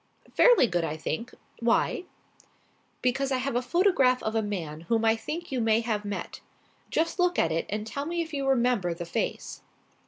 "Fairly good, I think. Why?" "Because I have a photograph of a man whom I think you may have met. Just look at it and tell me if you remember the face."